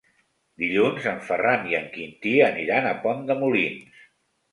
Dilluns en Ferran i en Quintí aniran a Pont de Molins.